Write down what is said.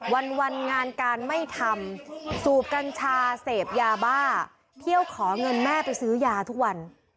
วันงานการไม่ทำสูบกัญชาเสพยาบ้าเที่ยวขอเงินแม่ไปซื้อยาทุกวัน